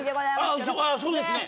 ああそうですね。